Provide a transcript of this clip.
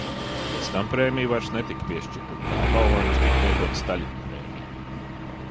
Pēc tam prēmija vairs netika piešķirta un kā apbalvojums tika lietota Staļina prēmija.